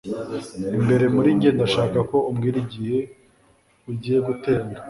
imbere muri njye ndashaka ko umbwira igihe ugiye guterana